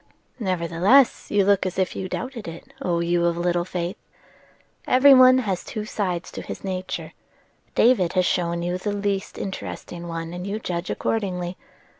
"Nevertheless you look as if you doubted it, O you of little faith. Every one has two sides to his nature: David has shown you the least interesting one, and you judge accordingly.